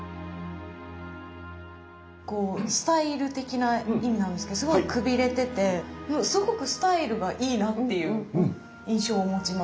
こうスタイル的な意味なんですけどすごいくびれててすごくスタイルがいいなっていう印象を持ちます。